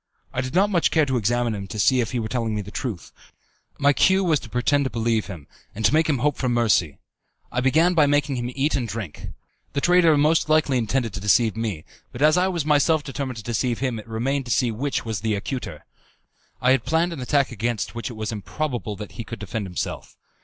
I did not much care to examine him to see if he were telling me the truth. My cue was to pretend to believe him, and to make him hope for mercy. I began by making him eat and drink. The traitor most likely intended to deceive me, but as I was myself determined to deceive him it remained to be seen which was the acuter. I had planned an attack against which it was improbable that he could defend himself.